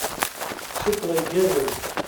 Cukkeɣ igerrez.